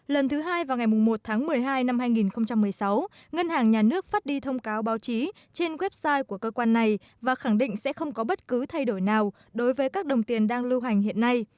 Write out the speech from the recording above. lần thứ hai vào ngày một tháng một mươi hai năm hai nghìn một mươi sáu ngân hàng nhà nước phát đi thông cáo báo chí trên website của cơ quan này và khẳng định sẽ không có bất cứ thay đổi nào đối với các đồng tiền đang lưu hành hiện nay